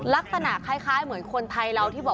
ลักษณะคล้ายเหมือนคนไทยเราที่บอก